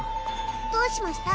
どうしました？